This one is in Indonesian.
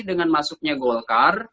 dengan masuknya golkar